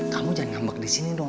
kamu jangan ngambek disini dong